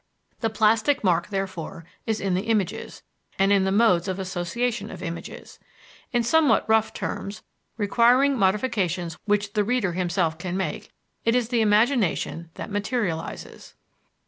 The plastic mark, therefore, is in the images, and in the modes of association of images. In somewhat rough terms, requiring modifications which the reader himself can make, it is the imagination that materializes.